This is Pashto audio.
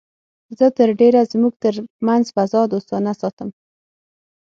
زه تر ډېره زموږ تر منځ فضا دوستانه ساتم